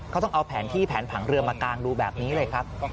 เขาต้องเอาแผนที่แผนผังเรือมากางดูแบบนี้เลยครับ